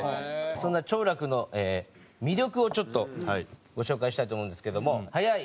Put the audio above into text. そんな兆楽の魅力をちょっとご紹介したいと思うんですけども。